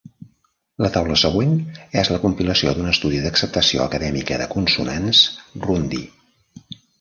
La taula següent és la compilació d'un estudi d'acceptació acadèmica de consonants Rundi.